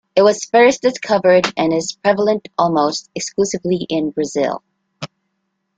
It was first discovered and is prevalent almost exclusively in Brazil.